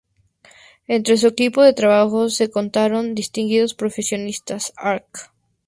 Entre su equipo de trabajo se contaron distinguidos profesionistas: Arq.